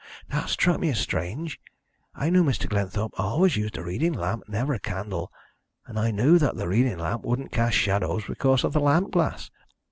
"That struck me as strange. I knew Mr. Glenthorpe always used a reading lamp, and never a candle, and I knew that the reading lamp wouldn't cast shadows because of the lamp glass.